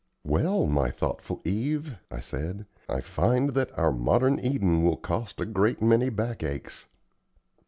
"Well, my thoughtful Eve," I said, "I find that our modern Eden will cost a great many back aches."